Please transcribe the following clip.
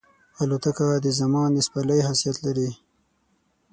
الوتکه د زمان د سپرلۍ حیثیت لري.